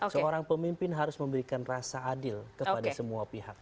seorang pemimpin harus memberikan rasa adil kepada semua pihak